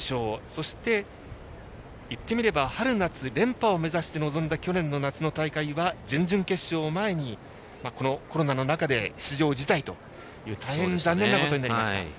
そして、いってみれば春夏連覇を目指して臨んだ去年の夏の大会は準々決勝を前にこのコロナの中で出場を辞退という大変残念なことになりました。